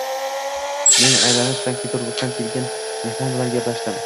Men aylanib, Sankt -Peterburgdan kelgan mehmon bilan gaplashdim